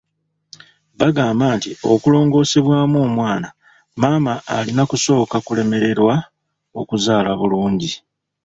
Bagamba nti okulongoosebwamu omwana, maama alina kusooka kulemererwa okuzaala bulungi.